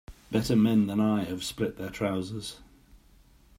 Better men than I have split their trousers.